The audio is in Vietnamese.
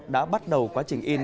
đã bắt đầu quá trình in